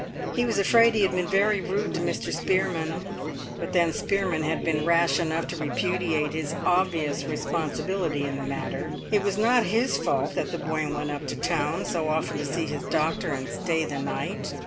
He was afraid he had been very rude to Mr. Spearman; but then Spearman had been rash enough to repudiate his obvious responsibility in the matter. It was not his fault that the boy went up to town so often to see his doctor and stay the night.